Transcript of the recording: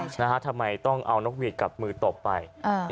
ทำไมต้องเอานกหวีดกับมือตบไป